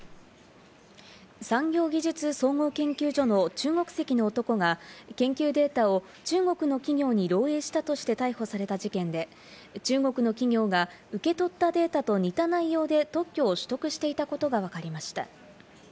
産業技術総合研究所の中国籍の男が、研究データを中国の企業に漏えいしたとして逮捕された事件で、中国の企業が受け取った情報と似た内容で特許を取得していたことがわかりました。